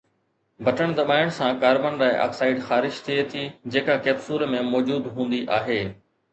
بٽڻ دٻائڻ سان ڪاربان ڊاءِ آڪسائيڊ خارج ٿئي ٿي، جيڪا ڪيپسول ۾ موجود هوندي آهي.